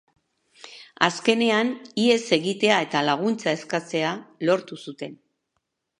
Azkenean ihes egitea eta laguntza eskatzea lortu zuen.